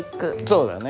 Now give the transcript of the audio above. そうだよね。